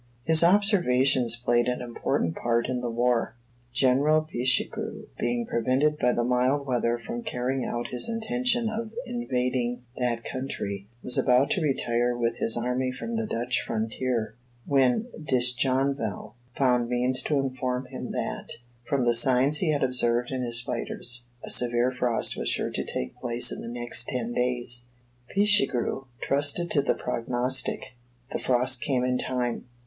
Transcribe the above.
His observations played an important part in the war. "General Pichegru, being prevented by the mild weather from carrying out his intention of invading that country, was about to retire with his army from the Dutch frontier, when Disjonval found means to inform him that, from the signs he had observed in his spiders, a severe frost was sure to take place in the next ten days. Pichegru trusted to the prognostic: the frost came in time.